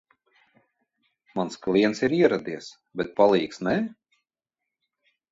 Mans klients ir ieradies, bet mans palīgs nē?